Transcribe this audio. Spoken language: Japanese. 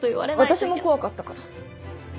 私も怖かったから。